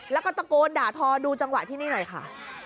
แล้วก็ตะโกนด่าทอดูจังหวะที่นี่หน่อยค่ะ